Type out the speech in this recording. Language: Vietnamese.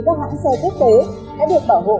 các hãng xe quốc tế đã được bảo hộ